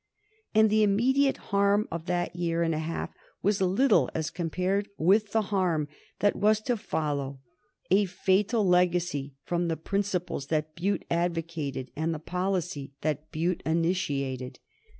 And the immediate harm of that year and a half was little as compared with the harm that was to follow, a fatal legacy, from the principles that Bute advocated and the policy that Bute initiated.